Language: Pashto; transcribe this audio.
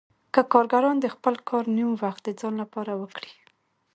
که کارګران د خپل کار نیم وخت د ځان لپاره وکړي